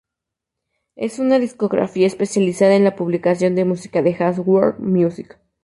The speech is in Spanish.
Es una discográfica especializada en la publicación de música de jazz y world music.